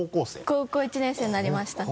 高校１年生になりました。